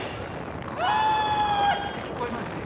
「カー」ってきこえますね。